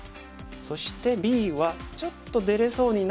そしてＢは「ちょっと出れそうにないな。